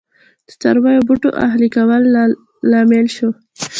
د څارویو او بوټو اهلي کولو لامل شو